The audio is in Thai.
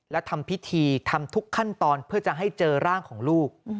และทำพิธีทำทุกขั้นตอนเพื่อจะให้เจอร่างของลูก